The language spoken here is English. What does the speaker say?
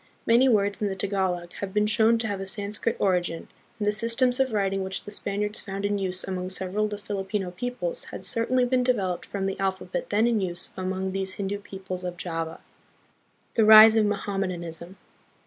Many words in the Tagalog have been shown to have a Sanskrit origin, and the systems of writing which the Spaniards found in use among several of the Filipino peoples had certainly been developed from the alphabet then in use among these Hindu peoples of Java. The Rise of Mohammedanism.